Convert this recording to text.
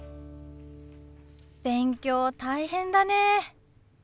勉強大変だね。